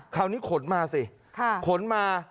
คราวนี้ขนมาสิขนมา